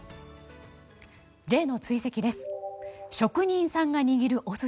Ｊの追跡です。